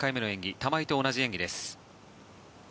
玉井と同じ演技です。